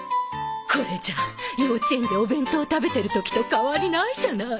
これじゃあ幼稚園でお弁当食べてる時と変わりないじゃない！